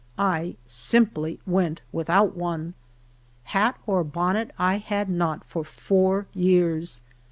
I simply went without one. Hat or bonnet 1 had not for four years.